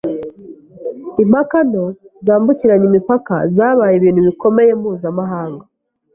Impaka nto zambukiranya imipaka zabaye ibintu bikomeye mpuzamahanga.